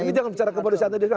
ini jangan secara kemanusiaan tadi